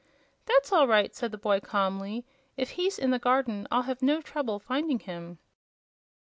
"That's all right," said the boy, calmly. "If he's in the garden I'll have no trouble finding him."